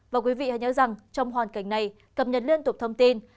và quý vị hãy nhớ rằng trong hoàn cảnh này cập nhật liên tục thông tin